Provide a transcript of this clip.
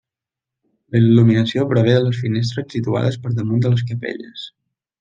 I la il·luminació prové de les finestres situades per damunt de les capelles.